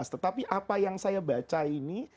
tetapi apa yang saya baca ini